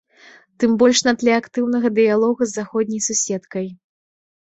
Тым больш на тле актыўнага дыялогу з заходняй суседкай.